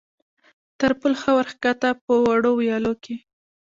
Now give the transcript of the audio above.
تر پل ښه ور کښته، په وړو ویالو کې.